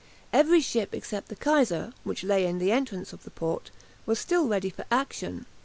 Every ship except the "Kaiser" (which lay in the entrance of the port) was still ready for action.